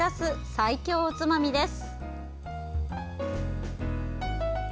最強おつまみです。